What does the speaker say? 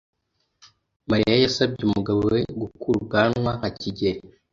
Mariya yasabye umugabo we gukura ubwanwa nka kigeli.